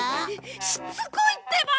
しつこいってば！